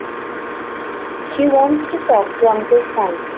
She wants to talk to Uncle Francis.